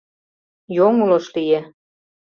Йоҥылыш лие.